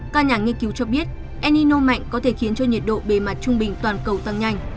các nhà nghiên cứu cho biết enino mạnh có thể khiến cho nhiệt độ bề mặt trung bình toàn cầu tăng nhanh